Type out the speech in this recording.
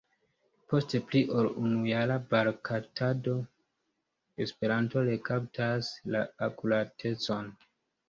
Post pli ol unujara baraktado Esperanto rekaptas la akuratecon.